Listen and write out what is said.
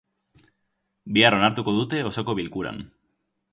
Bihar onartuko dute osoko bilkuran.